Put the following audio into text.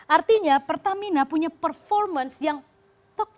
artinya pertamina punya performance yang top